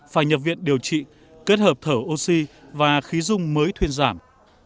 phải nhập viện điều trị kết hợp thở oxy và khí dung mới thuyên giảm